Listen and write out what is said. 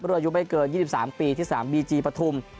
เรื่อยุ่งไม่เกิน๒๓ปีที่สถานบีจีปฐุม